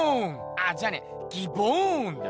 あじゃねえギボーンだ。